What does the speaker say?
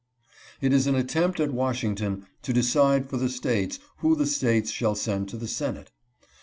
It is an attempt at Washington to decide for the States who the States shall send to the Senate.